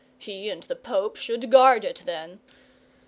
(He and the Pope should guard it, then!)